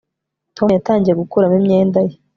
Tom yatangiye gukuramo imyenda ye